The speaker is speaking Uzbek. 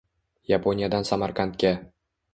Yaponiyadan Samarqandga